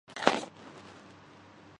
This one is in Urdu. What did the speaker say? یہ ہنگامہ کچھ وقت برپا رہتا ہے۔